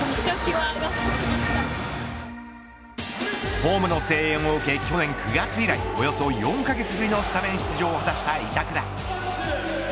ホームの声援を受け去年９月以来およそ４カ月ぶりのスタメン出場を果たした板倉。